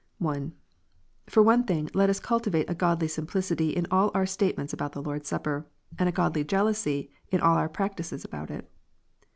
(1) For one thing let us cultivate a godly simplicity in all our statements about the Lord s Supper, and a godly jealousy in all our practices about it.